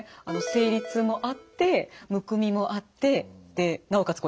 生理痛もあってむくみもあってでなおかつ